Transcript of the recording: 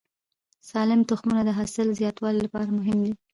سالم تخمونه د حاصل زیاتوالي لپاره مهم دي.